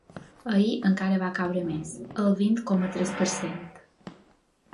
Ahir encara va caure més: al vint coma tres per cent.